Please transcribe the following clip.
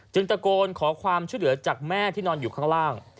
ตะโกนขอความช่วยเหลือจากแม่ที่นอนอยู่ข้างล่าง